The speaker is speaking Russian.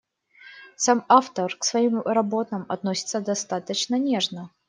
Сам автор к своим работам относится достаточно нежно.